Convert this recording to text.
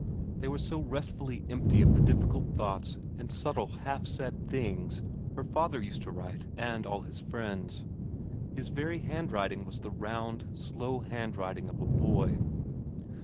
They were so restfully empty of the difficult thoughts and subtle, half said things her father used to write and all his friends. His very handwriting was the round, slow handwriting of a boy.